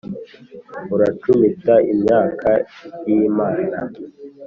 uracumita imyaka y’imana